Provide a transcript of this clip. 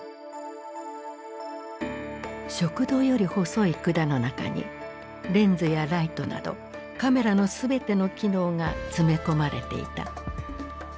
食道より細い管の中にレンズやライトなどカメラの全ての機能が詰め込まれていた。